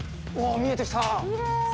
見えてきた！